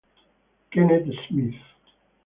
Kenneth Smith